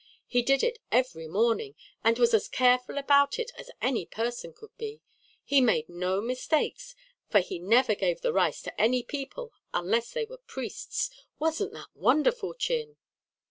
He did it every morning, and was as careful about it as any person could be. He made no mistakes, for he never gave the rice to any people unless they were priests. Wasn't that wonderful, Chin?"